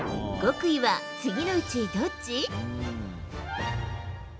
極意は次のうち、どっち？